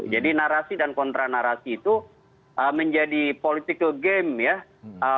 jadi narasi dan kontra narasi itu menjadi political game ya